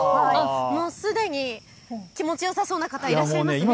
すでに気持ちよさそうな方、いらっしゃいますね。